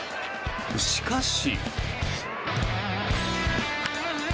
しかし。